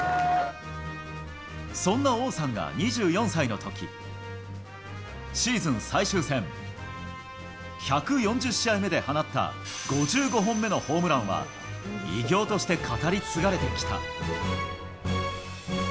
そんな王さんが２４歳のとき、シーズン最終戦１４０試合目で放った５５本目のホームランは、偉業として語り継がれてきた。